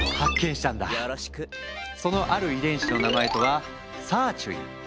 そのある遺伝子の名前とはサーチュイン。